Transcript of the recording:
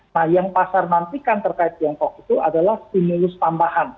nah yang pasar nantikan terkait tiongkok itu adalah stimulus tambahan